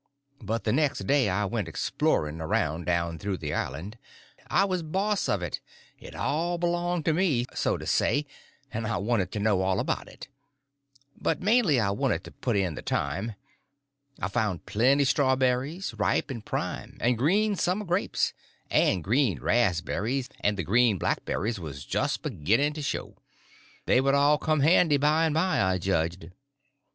But the next day I went exploring around down through the island. I was boss of it; it all belonged to me, so to say, and I wanted to know all about it; but mainly I wanted to put in the time. I found plenty strawberries, ripe and prime; and green summer grapes, and green razberries; and the green blackberries was just beginning to show. They would all come handy by and by, I judged.